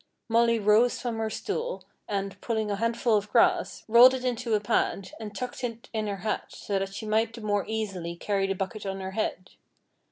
Molly rose from her stool, and, pulling a handful of grass, rolled it into a pad, and tucked it in her hat, so that she might the more easily carry the bucket on her head.